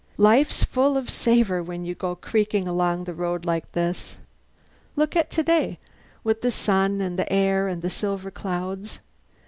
Life's full of savour when you go creaking along the road like this. Look at today, with the sun and the air and the silver clouds.